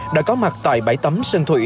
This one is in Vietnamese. đã có mặt tại bãi tấm sơn thủy